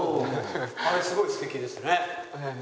あれすごい素敵ですね。